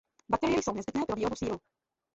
Bakterie jsou nezbytné pro výrobu sýrů.